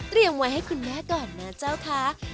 เตรียมไว้ให้คุณแม่ก่อนนะเจ้าค่ะ